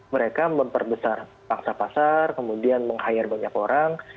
mereka memperbesar paksa pasar kemudian meng hire banyak orang